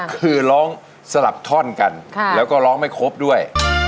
คือร้องสลับท่อนกันแล้วก็ร้องไม่ครบด้วย